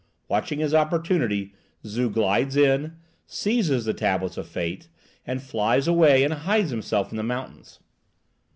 Watching his opportunity, Zu glides in, seizes the tablets of fate, and flies away and hides himself in the mountains.